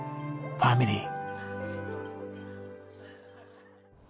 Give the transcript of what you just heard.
ファミリー。